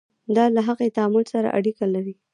دا له هغې تعامل سره اړیکه لري.